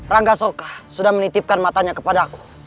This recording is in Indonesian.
ranggasoka sudah menitipkan matanya kepada aku